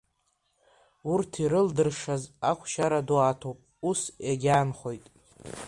Урҭ ирылдыршаз ахәшьара ду аҭоуп, ус иагьаанхоит.